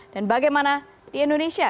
dan bagaimana di indonesia